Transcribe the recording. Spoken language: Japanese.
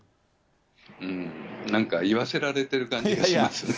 うーん、なんか言わせられてる感じがしますね。